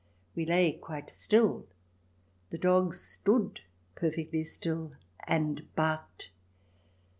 We lay quite still, the dog stood perfectly still and barked.